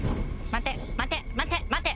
待て待て待て待て。